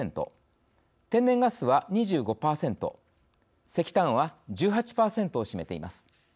天然ガスは２５％石炭は１８％を占めています。